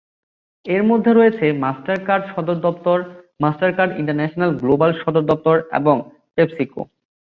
এর মধ্যে রয়েছে মাস্টারকার্ড সদর দপ্তর, মাস্টারকার্ড ইন্টারন্যাশনাল গ্লোবাল সদর দপ্তর এবং পেপসিকো।